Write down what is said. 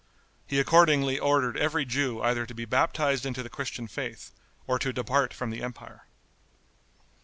He accordingly ordered every Jew either to be baptized into the Christian faith or to depart from the empire.